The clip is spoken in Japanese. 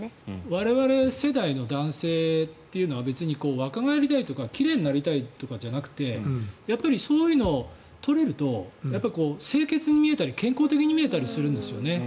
我々世代の男性は別に若返りたいとか奇麗になりたいとかじゃなくてそういうのを取れると清潔に見えたり健康的に見えたりするんですよね。